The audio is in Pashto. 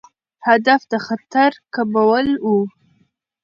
هدف د خطر کمول وو.